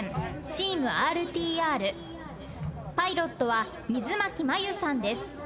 パイロットは水牧真唯さんです。